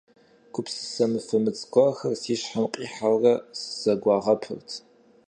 Гупсысэ мыфэмыц гуэрхэр си щхьэм къихьэурэ сызэгуагъэпырт.